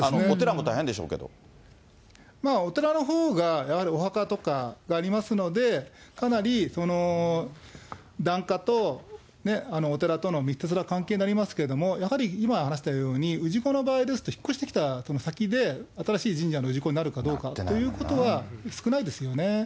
お寺のほうがやはりお墓とかがありますので、かなり檀家とお寺との密接な関係になりますけども、やはり今話したように、氏子の場合ですと、引っ越してきた先で、新しい神社の氏子になるかどうかということは、少ないですよね。